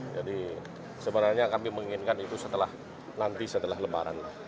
sebenarnya kami menginginkan itu setelah nanti setelah lebaran